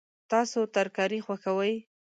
تاسو ترکاري خوښوئ؟